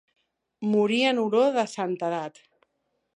Morir en olor de santedat.